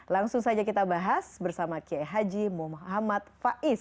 langsung saja kita bahas bersama kiai haji muhammad faiz